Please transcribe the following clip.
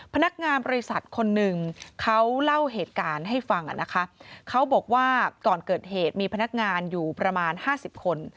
พนักงานบริษัทคนหนึ่งเขาเล่าเหตุการณ์ให้ฟังอ่ะนะคะเขาบอกว่าก่อนเกิดเหตุมีพนักงานอยู่ประมาณ๕๐คน